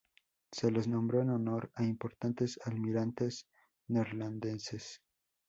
Se les nombró en honor a importantes almirantes neerlandeses.